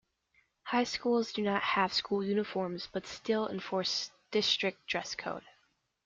High schools do not have school uniforms but still enforce district dress code.